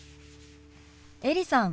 エリさん